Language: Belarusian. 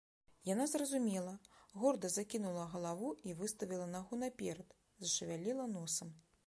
Яна зразумела, горда закінула галаву і выставіла нагу наперад, зашавяліла носам.